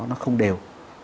nó không đều